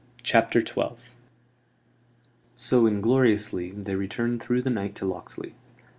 CHAPTER XII So, ingloriously, they returned through the night to Locksley.